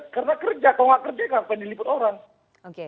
karena kerja kalau enggak kerja kenapa diliput orang